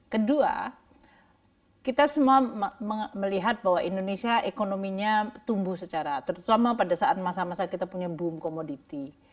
kedua kita semua melihat bahwa indonesia ekonominya tumbuh secara terutama pada saat masa masa kita punya boom commodity